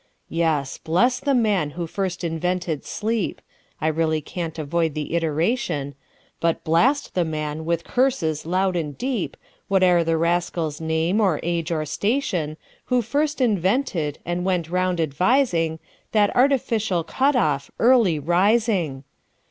Yes; bless the man who first invented sleep(I really can't avoid the iteration),But blast the man, with curses loud and deep, Whate'er the rascal's name, or age, or station, Who first invented, and went round advising, That artificial cut off, Early Rising!